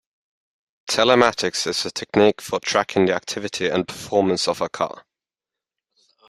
Telematics is a technique for tracking the activity and performance of a car.